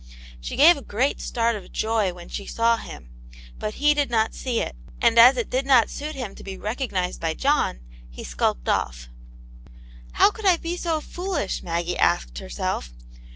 She gave a great start of joy when sh^ saw him ; but he did not see it, and as it did not suit him to be recognized by John, he skulked off. '* How could I be so foolish ?" Maggie asked her * self.